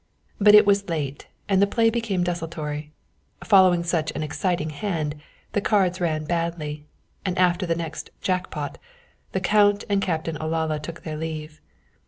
But it was late, and the play became desultory. Following such an exciting hand, the cards ran badly, and after the next "jackpot" the Count and Captain Olalla took their leave.